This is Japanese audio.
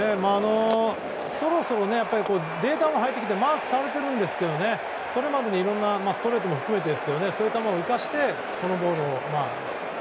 そろそろデータも入ってきてマークされているんですけどそれまでにいろいろな球をストレートも含めてそういったものを生かしてこのボール。